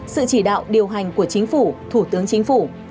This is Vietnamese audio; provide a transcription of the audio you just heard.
sự chỉ đạo điều hành của chính phủ thủ tướng chính phủ